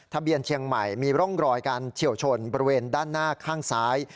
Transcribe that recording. ทะเบียนเชียงใหม่มีร่องรอยการเฉียวชนบริเวณด้านหน้าข้างซ้าย